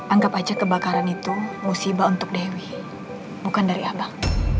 anggap aja kebakaran itu musibah untuk dewi bukan dari abang